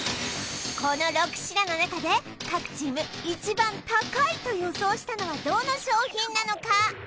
この６品の中で各チーム一番高いと予想したのはどの商品なのか？